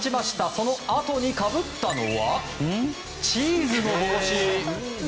そのあとにかぶったのはチーズの帽子！